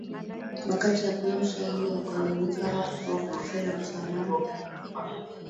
Wakati hakuna ushahidi wa kuaminika wa tishio la usalama.